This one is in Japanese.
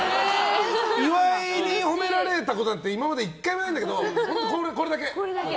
岩井に褒められたことなんて今まで１回もないんだけどこれだけ。